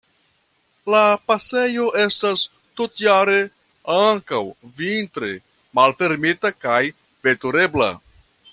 La pasejo estas tutjare, ankaŭ vintre, malfermita kaj veturebla.